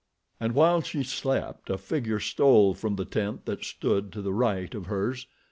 And while she slept a figure stole from the tent that stood to the right of hers.